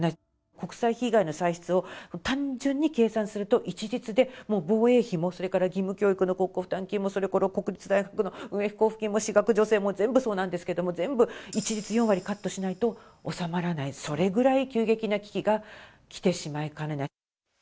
国債費以外の歳出を単純に計算すると、一律で、もう防衛費も、それから義務教育の国庫負担金も、それから国立大学の運営費交付金も私学助成も全部そうなんですけども、全部一律４割カットしないと収まらない、それぐらい急激な危機が来てしまいかねない。